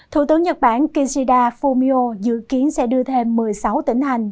thủ tướng nhật bản kishida fumio dự kiến sẽ đưa thêm một mươi sáu tỉnh hành